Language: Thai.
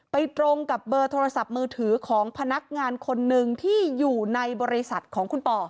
ตรงกับเบอร์โทรศัพท์มือถือของพนักงานคนหนึ่งที่อยู่ในบริษัทของคุณป่อ